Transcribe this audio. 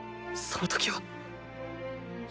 その時は？